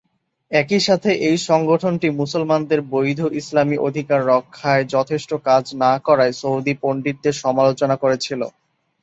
একই সাথে এই সংগঠনটি মুসলমানদের বৈধ ইসলামী অধিকার রক্ষায় যথেষ্ট কাজ না করায় সৌদি পণ্ডিতদের সমালোচনা করেছিল।